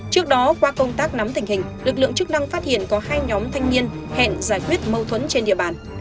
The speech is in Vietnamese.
trước đó qua công tác nắm tình hình lực lượng chức năng phát hiện có hai nhóm thanh niên hẹn giải quyết mâu thuẫn trên địa bàn